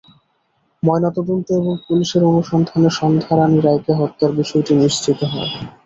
ময়নাতদন্ত এবং পুলিশের অনুসন্ধানে সন্ধ্যা রাণী রায়কে হত্যার বিষয়টি নিশ্চিত হয়।